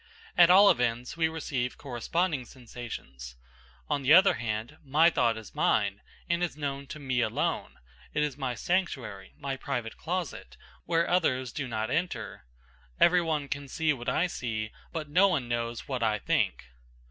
At all events, we receive corresponding sensations. On the other hand, my thought is mine, and is known to me alone; it is my sanctuary, my private closet, where others do not enter. Every one can see what I see, but no one knows what I think.